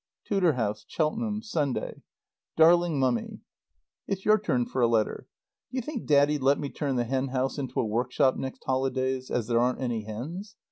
TUDOR HOUSE. CHELTENHAM, Sunday. DARLING MUMMY: It's your turn for a letter. Do you think Daddy'd let me turn the hen house into a workshop next holidays, as there aren't any hens?